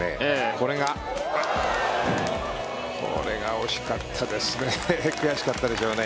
これが惜しかったですね。